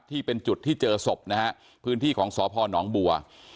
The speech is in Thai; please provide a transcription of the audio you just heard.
ที่เป็นจุดที่เจอศพนะฮะพื้นที่ของสพนบัว